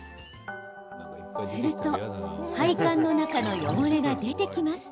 すると配管の中の汚れが出てきます。